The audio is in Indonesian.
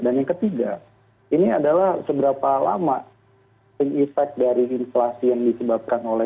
dan yang ketiga ini adalah seberapa lama pengifat dari inflasi yang disebabkan oleh